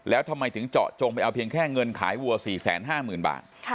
แล้วทำไมถึงเจาะจงไปเอาเพียงแค่เงินขายวัว๔๕๐๐๐บาท